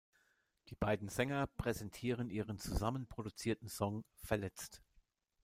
Die beiden Sänger präsentierten ihren zusammen produzierten Song "Verletzt".